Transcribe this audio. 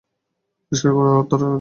পরিষ্কার করা যাক।